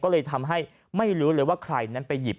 ก็เลยทำให้ไม่รู้เลยว่าใครนั้นไปหยิบ